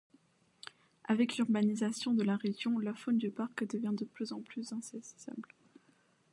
Avec l’urbanisation de la région, la faune du parc devient plus en plus insaisissable.